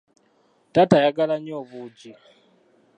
Taata ayagala nnyo obuugi.